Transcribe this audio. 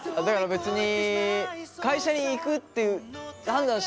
別に。